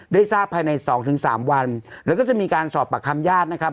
ได้ทราบภายในสองถึงสามวันแล้วก็จะมีการสอบปากคำญาตินะครับ